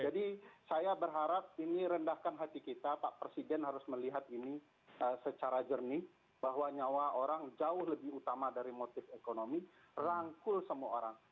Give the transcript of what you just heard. jadi saya berharap ini rendahkan hati kita pak presiden harus melihat ini secara jernih bahwa nyawa orang jauh lebih utama dari motif ekonomi rangkul semua orang